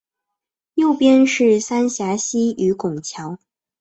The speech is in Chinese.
右边是三峡溪与拱桥